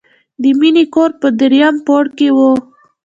د مینې کور په دریم پوړ کې و